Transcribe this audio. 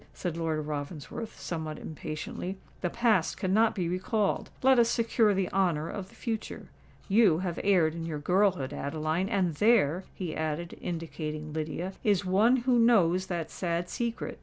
said Lord Ravensworth, somewhat impatiently. "The past cannot be recalled: let us secure the honour of the future. You have erred in your girlhood, Adeline! and there," he added, indicating Lydia, "is one who knows that sad secret.